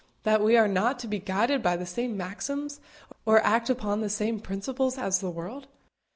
that we are not to be guided by the same maxims, or act upon the same principles as the world?